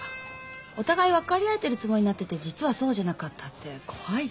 お互い分かり合えてるつもりになってて実はそうじゃなかったって怖いじゃない？